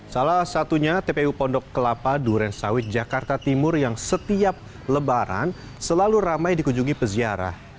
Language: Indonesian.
salah satunya tpu pondok kelapa duren sawit jakarta timur yang setiap lebaran selalu ramai dikunjungi peziarah